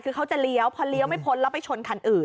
คือเขาจะเลี้ยวพอเลี้ยวไม่พ้นแล้วไปชนคันอื่น